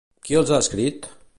Qui els ha escrit?